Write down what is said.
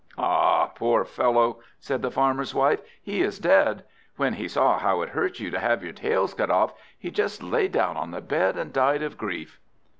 "Ah, poor fellow," said the Farmer's wife, "he is dead. When he saw how it hurt you to have your tails cut off, he just lay down on the bed, and died of grief."